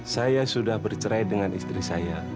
saya sudah bercerai dengan istri saya